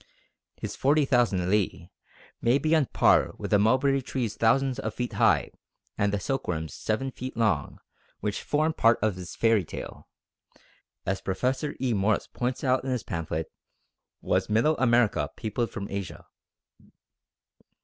His 40,000 li may be on a par with the mulberry trees thousands of feet high and the silkworms 7 feet long which form part of his fairy tale, as Professor E. Morse points out in his pamphlet _Was Middle America peopled from Asia?